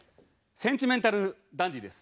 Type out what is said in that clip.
センチメンタルダンディです。